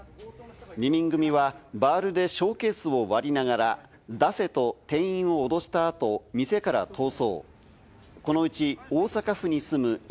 ２人組はバールでショーケースを割りながら、出せと店員を脅した後、店から逃走。